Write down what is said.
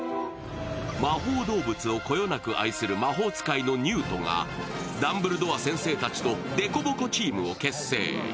魔法動物をこよなく愛する魔法使いのニュートがダンブルドア先生たちとデコボコチームを結成。